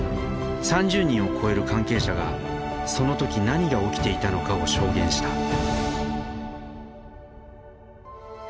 ３０人を超える関係者が「その時何が起きていたのか」を証言した。